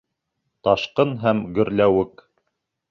Ташҡын һәм гөрләүек.